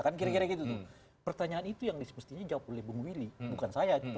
kira kira gitu pertanyaan itu yang mestinya dijawab oleh bung willy bukan saya